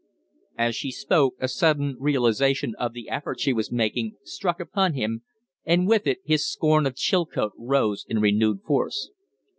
As she spoke a sudden realization of the effort she was making struck upon him, and with it his scorn of Chilcote rose in renewed force.